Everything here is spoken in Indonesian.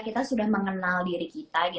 kita sudah mengenal diri kita gitu ya